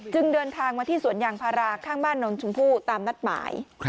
เดินทางมาที่สวนยางพาราข้างบ้านน้องชมพู่ตามนัดหมาย